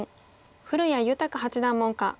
古谷裕八段門下。